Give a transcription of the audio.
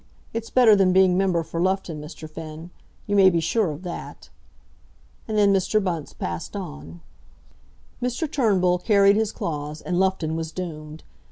It's better than being member for Loughton, Mr. Finn; you may be sure of that." And then Mr. Bunce passed on. Mr. Turnbull carried his clause, and Loughton was doomed.